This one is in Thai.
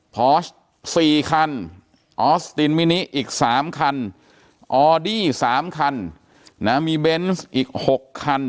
พอช๔คันออสตินมินิอีก๓คันออดี้๓คันมีเบนส์อีก๖คัน